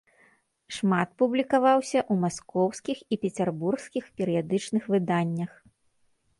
Шмат публікаваўся ў маскоўскіх і пецярбургскіх перыядычных выданнях.